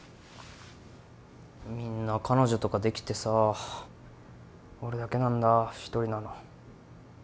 みんな彼女とかできてさ俺だけなんだ一人なの。